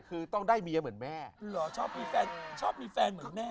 คือต้องได้เมียเหมือนแม่เหรอชอบมีแฟนชอบมีแฟนเหมือนแม่